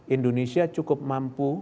indonesia cukup mampu